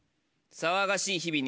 「騒がしい日々に」。